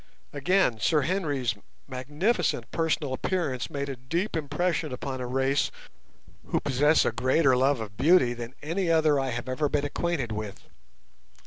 Again, Sir Henry's magnificent personal appearance made a deep impression upon a race who possess a greater love of beauty than any other I have ever been acquainted with.